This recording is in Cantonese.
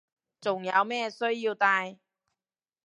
仲有咩需要戴